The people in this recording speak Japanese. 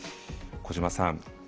小島さん